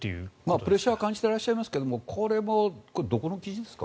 プレッシャーは感じていらっしゃいますがこれ、どこの記事ですか？